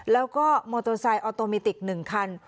แล้วก็มอเตอร์ไซค์ออโตมิติก๑คัน